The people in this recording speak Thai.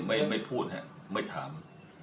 ไม่พูดไม่ถาม